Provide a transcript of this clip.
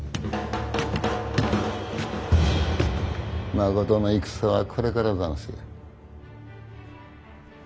まことの戦はこれからざんすよ。